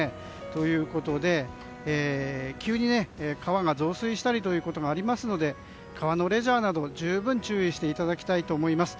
ということで、急に川が増水したりということがありますので川のレジャーなどに、十分注意していただきたいと思います。